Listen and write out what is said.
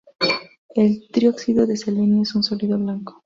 El trióxido de selenio es un sólido blanco.